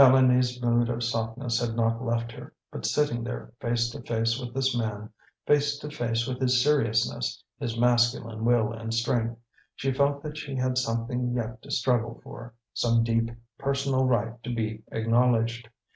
Mélanie's mood of softness had not left her; but sitting there, face to face with this man, face to face with his seriousness, his masculine will and strength, she felt that she had something yet to struggle for, some deep personal right to be acknowledged.